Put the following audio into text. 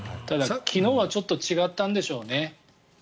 ただ、昨日はちょっと違ったんでしょうね。